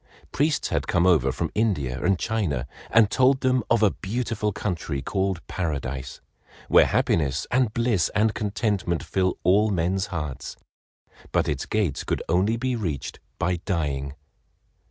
Priests had come over from India and China and told them of a beautiful country called Paradise, where happiness and bliss and contentment fill all men's hearts, but its gates could only be reached by dying.